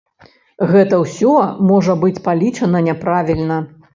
Гэта ўсё можа быць палічана няправільна.